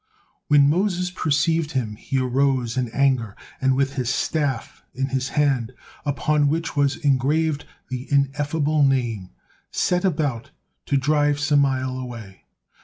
When Moses perceived him he arose in anger, and with his staff in his hand, upon which was engraved the Ineffable Name, set about to drive Samael away.